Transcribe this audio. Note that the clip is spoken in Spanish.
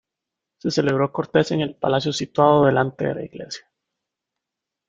Se celebró Cortes en el palacio situado delante de la Iglesia.